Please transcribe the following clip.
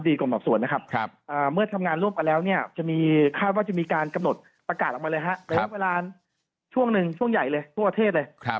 แต่เวลาช่วงหนึ่งช่วงใหญ่เลยทั่วเทศเลย